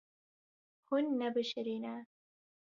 Hûn nebişirîne.